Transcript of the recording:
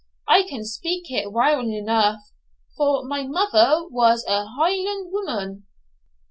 I can speak it weil eneugh, for my mother was a Hieland woman.'